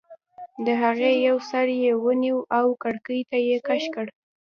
د هغې یو سر یې ونیو او کړکۍ ته یې کش کړ